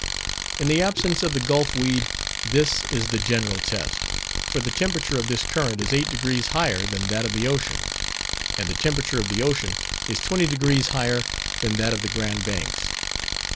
In the absence of the Gulf weed, this is the general test; for the temperature of this current is eight degrees higher than that of the ocean, and the temperature of the ocean is twenty degrees higher than that of the Grand Banks.